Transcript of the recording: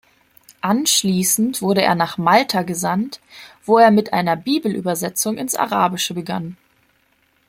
Anschließend wurde er nach Malta gesandt, wo er mit einer Bibelübersetzung ins Arabische begann.